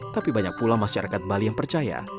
tapi banyak pula masyarakat bali yang percaya